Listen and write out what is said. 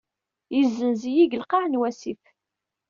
Yezzenz-iyi deg lqaɛ n wasif.